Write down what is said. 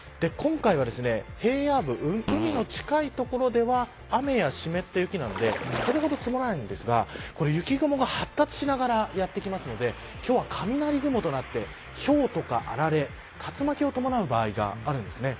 今回は平野部海の近い所では雨や湿った雪なのでそれほど積もらないんですが雪雲が発達しながらやってきますので今日は雷雲となってひょうとかあられ竜巻を伴う場合があります。